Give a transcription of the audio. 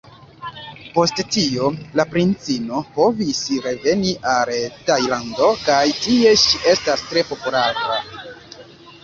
Post tio la princino povis reveni al Tajlando kaj tie ŝi estas tre populara.